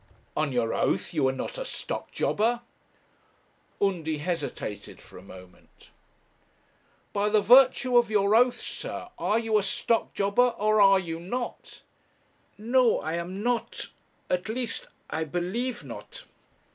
'On your oath, you are not a stock jobber?' Undy hesitated for a moment. 'By the virtue of your oath, sir, are you a stock jobber, or are you not?' 'No, I am not. At least, I believe not.'